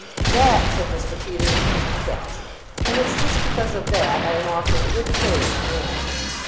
"That," said Mr. Peters, "is the catch; and it's just because of that I am offering good pay to my man.